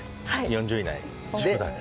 ４０以内で。